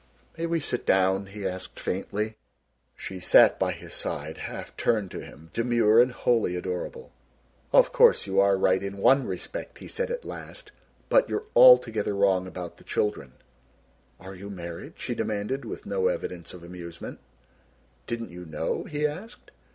"May we sit down?" he asked faintly. She sat by his side, half turned to him, demure and wholly adorable. "Of course you are right in one respect," he said at last, "but you're altogether wrong about the children." "Are you married!" she demanded with no evidence of amusement. "Didn't you know?" he asked.